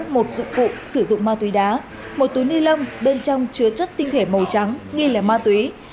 một dụng cụ sử dụng ma túy đá một túi ni lông bên trong chứa chất tinh thể màu trắng nghi lẻ ma túy